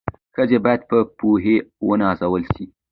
ښځي بايد په پوهي و نازول سي